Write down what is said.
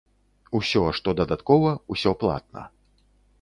Усё, што дадаткова, усё платна.